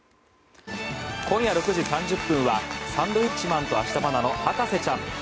今夜６時３０分は「サンドウィッチマン＆芦田愛菜の博士ちゃん」。